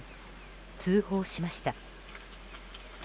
通報しました。